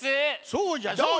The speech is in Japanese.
そうじゃそうじゃ！